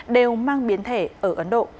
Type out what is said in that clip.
đều mang biến thể ở ấn độ